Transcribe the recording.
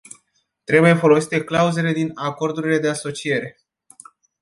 Trebuie folosite clauzele din acordurile de asociere.